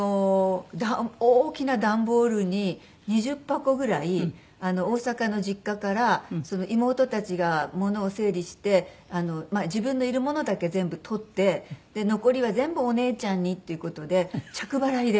大きな段ボールに２０箱ぐらい大阪の実家から妹たちがものを整理して自分のいるものだけ全部取ってで残りは全部お姉ちゃんにっていう事で着払いで。